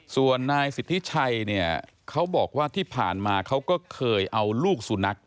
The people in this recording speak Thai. ส่วนนายสิทธิชัยเนี่ยเขาบอกว่าที่ผ่านมาเขาก็เคยเอาลูกสุนัข